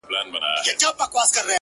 o دا وايي دا توره بلا وړي څوك ـ